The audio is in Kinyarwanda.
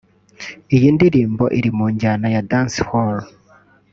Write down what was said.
iyi ndirimbo iri mu njyana ya Dancehall